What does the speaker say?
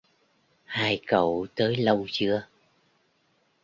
Hai cậu tới lâu chưa